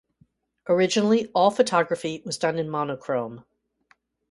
Originally, all photography was done in monochrome.